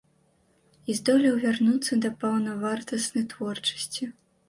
І здолеў вярнуцца да паўнавартаснай творчасці.